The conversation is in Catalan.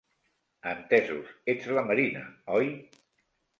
Entesos, ets la Marina, oi?